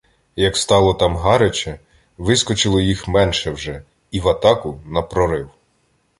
Як стало там гаряче, вискочило їх менше вже і — в атаку, на прорив.